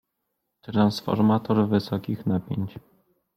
Transformator wysokich napięć.